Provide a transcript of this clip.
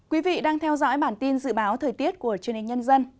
quý vị đang theo dõi bản tin dự báo thời tiết của truyền hình nhân dân